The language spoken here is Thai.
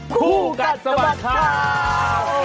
คู่กัดสบัติครับ